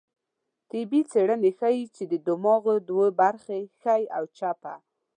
طبي څېړنې ښيي، چې د دماغو دوه برخې دي؛ ښۍ او چپه